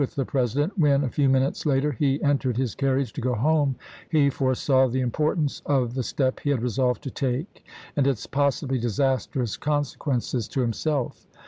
with the President, when, a few minutes later, he entered his carriage to go home, he foresaw the importance of the step he had resolved to take and its possibly disastrous consequences to himself.